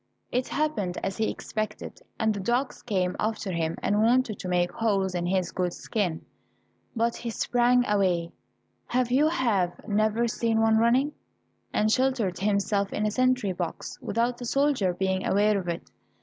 It happened as he expected, and the dogs came after him and wanted to make holes in his good skin. But he sprang away, have you have never seen one running? and sheltered himself in a sentry box without the soldier being aware of it.